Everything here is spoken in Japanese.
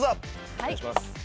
お願いします。